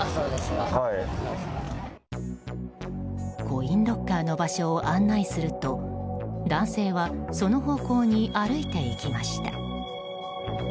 コインロッカーの場所を案内すると男性はその方向に歩いていきました。